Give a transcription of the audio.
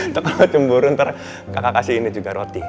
itu kalau cemburu ntar kakak kasih ini juga roti